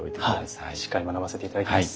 はいしっかり学ばせて頂きます。